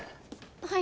はい。